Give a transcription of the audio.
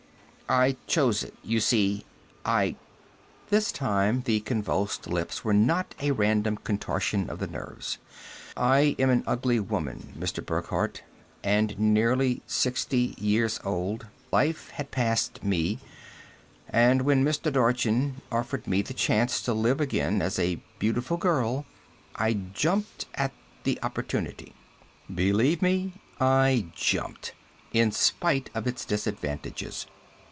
I chose it, you see. I " this time the convulsed lips were not a random contortion of the nerves "I was an ugly woman, Mr. Burckhardt, and nearly sixty years old. Life had passed me. And when Mr. Dorchin offered me the chance to live again as a beautiful girl, I jumped at the opportunity. Believe me, I jumped, in spite of its disadvantages.